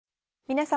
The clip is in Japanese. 皆様。